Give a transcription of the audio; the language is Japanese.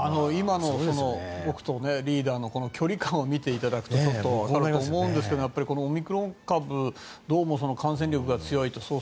今の僕とリーダーの距離感を見ていただくとちょっとわかると思うんですけどオミクロン株どうも感染力が強いと。